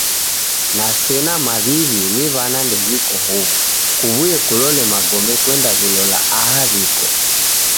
Na sena mawiwi niwana ndewiko huwu kuwuye kulole magome kwenda wilola aha wiko.